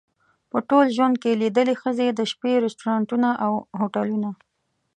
په ټول ژوند کې لیدلې ښځې د شپې رستورانتونه او هوټلونه.